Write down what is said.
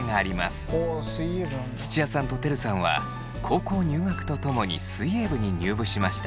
土屋さんとてるさんは高校入学とともに水泳部に入部しました。